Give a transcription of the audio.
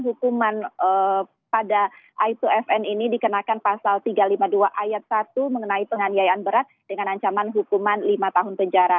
hukuman pada aip dua fn ini dikenakan pasal tiga ratus lima puluh dua ayat satu mengenai penganiayaan berat dengan ancaman hukuman lima tahun penjara